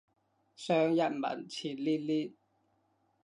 上日文前練練